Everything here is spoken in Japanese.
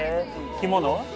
着物？